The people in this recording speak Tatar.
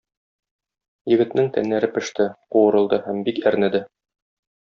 Егетнең тәннәре пеште, куырылды һәм бик әрнеде.